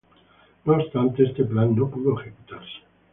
No obstante, este plan no pudo ejecutarse.